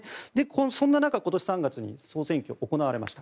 そんな中、今年３月に選挙が行われました。